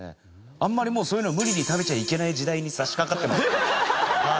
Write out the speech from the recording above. あんまりもうそういうの無理に食べちゃいけない時代に差しかかってますから。